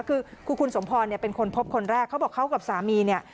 คือคุณสมพรเนี่ยเป็นคนพบคนแรกเขาบอกเขากับสามีเนี่ย